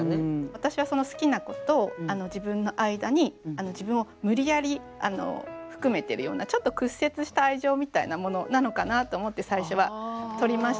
私はその好きな子と自分の間に自分を無理やり含めてるようなちょっと屈折した愛情みたいなものなのかなと思って最初はとりました。